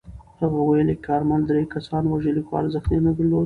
هغه ویلي، کارمل درې کسان وژلي خو ارزښت نه یې درلود.